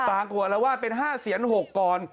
ปางโกรธเราว่าเป็น๕เสียน๖กรอน